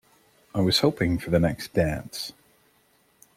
I was hoping for the next dance.